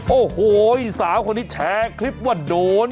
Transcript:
โอ้โหสาวคนนี้แชร์คลิปว่าโดน